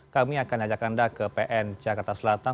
kami akan ajak anda ke pn jakarta selatan